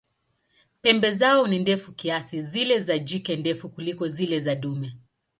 Pembe zao ni ndefu kiasi, zile za jike ndefu kuliko zile za dume.